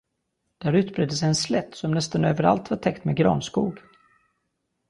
Där utbredde sig en slätt, som nästan överallt var täckt med granskog.